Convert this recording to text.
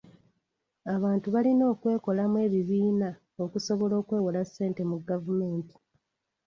Abantu balina okwekolamu ebibiina okusobola okwewola ssente mu gavumenti.